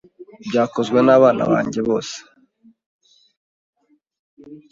byakozwe n’abana banjye byose